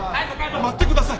待ってください。